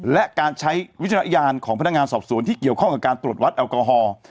และการใช้วิจารณญาณของพนักงานสอบสวนที่เกี่ยวข้องกับการตรวจวัดแอลกอฮอล์